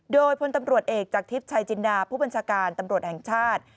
โดยพลตำรวจเอกจากทิพย์ชายจินดาผู้บัญชาการตำรวจแห่งชาติ